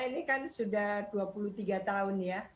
ini kan sudah dua puluh tiga tahun ya